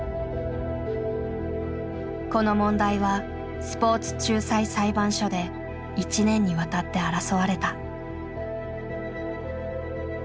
この問題はスポーツ仲裁裁判所で１年にわたって争われた。